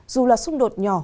dù là xung đột nhỏ